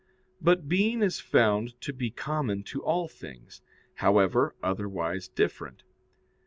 But being is found to be common to all things, however otherwise different.